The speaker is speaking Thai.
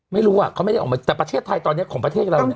ไม่รู้อ่ะเขาไม่ได้ออกมาแต่ประเทศไทยตอนนี้ของประเทศเราเนี่ย